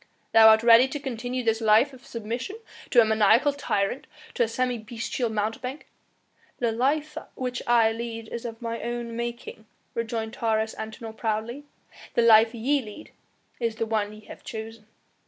"Thou art ready to continue this life of submission to a maniacal tyrant, to a semi bestial mountebank " "The life which I lead is of mine own making," rejoined Taurus Antinor proudly; "the life ye lead is the one ye have chosen."